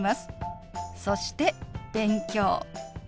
そして「勉強」。